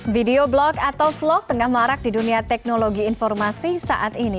video blog atau vlog tengah marak di dunia teknologi informasi saat ini